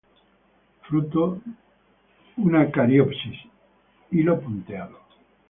Fruto una cariopsis; hilo punteado.